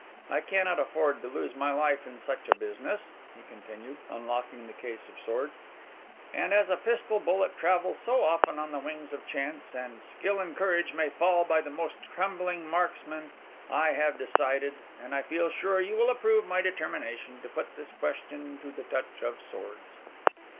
I cannot afford to lose my life in such a business," he continued, unlocking the case of swords; "and as a pistol bullet travels so often on the wings of chance, and skill and courage may fall by the most trembling marksman, I have decided, and I feel sure you will approve my determination, to put this question to the touch of swords."